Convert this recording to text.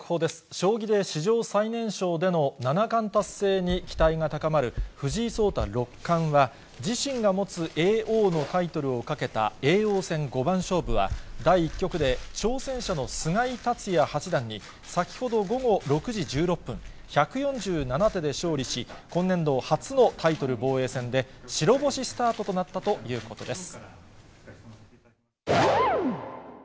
将棋で史上最年少での七冠達成に期待が高まる藤井聡太六冠は、自身が持つ叡王のタイトルをかけた叡王戦五番勝負は、第１局で挑戦者の菅井竜也八段に、先ほど午後６時１６分、１４７手で勝利し、今年度初のタイトル防衛戦で、白星スタートとなったということです。